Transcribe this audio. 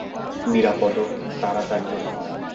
নিরাপদও, তাড়াতাড়িও।